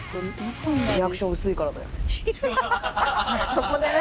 そこでね！